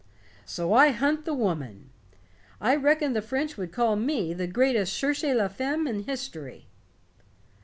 So I hunt the woman. I reckon the French would call me the greatest cherchez la femme in history."